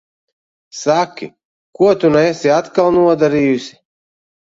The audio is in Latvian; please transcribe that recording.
Saki, ko tu nu esi atkal nodarījusi?